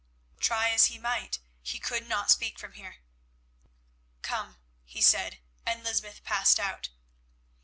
Try as he might he could not speak them here. "Come," he said, and Lysbeth passed out.